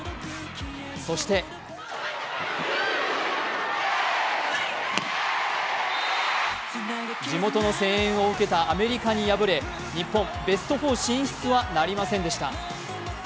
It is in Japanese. そして地元の声援を受けたアメリカに敗れ日本、ベスト４進出はなりませんでした。